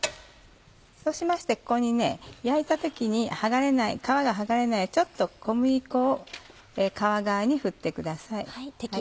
そうしましてここに焼いた時に皮が剥がれないようにちょっと小麦粉を皮側に振ってください。